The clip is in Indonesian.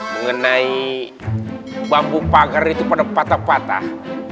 mengenai bambu pagar itu pada patah patah